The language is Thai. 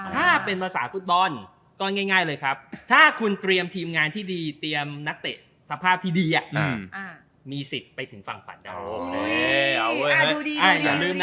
ถ้าเป็นภาษาฟุตบอลก็ง่ายเลยครับถ้าคุณเตรียมทีมงานที่ดีเตรียมนักเตะสภาพที่ดีมีสิทธิ์ไปถึงฝั่งฝันได้